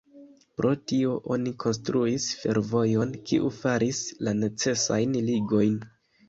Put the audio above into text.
Pro tio oni konstruis fervojon, kiu faris la necesajn ligojn.